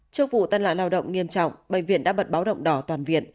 trước vụ tai nạn lao động nghiêm trọng bệnh viện đã bật báo động đỏ toàn viện